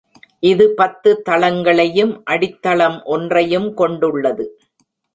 இது பத்து தளங்களையும் அடித்தளம் ஒன்றையும் கொண்டுள்ளது.